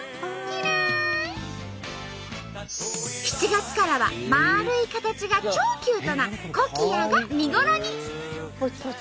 ７月からは丸い形が超キュートなコキアが見頃に。